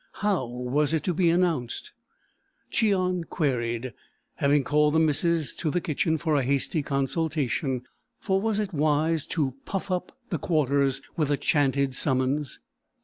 How was it to be announced, Cheon queried, having called the missus to the kitchen for a hasty consultation, for was it wise to puff up the Quarters with a chanted summons?